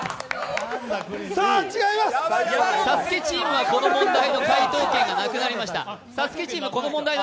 「ＳＡＳＵＫＥ」チームはこの問題の解答権がなくなりました。